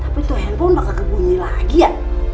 tapi itu handphone bakal kebunyi lagi ya